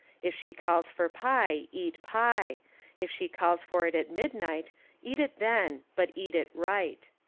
If she calls for pie, eat pie. If she calls for it at midnight, eat it then, but eat it right."